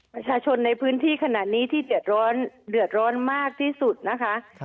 ประชาชนในพื้นที่ขนาดนี้ที่เดือดร้อนเดือดร้อนมากที่สุดนะคะ